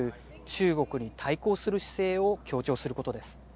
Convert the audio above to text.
中国に対抗する姿勢を強調することです。